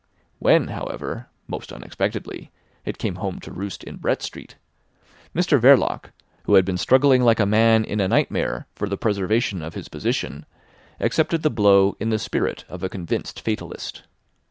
When, however, most unexpectedly, it came home to roost in Brett Street, Mr Verloc, who had been struggling like a man in a nightmare for the preservation of his position, accepted the blow in the spirit of a convinced fatalist.